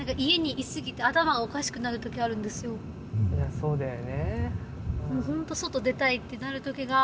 そうだよねぇ。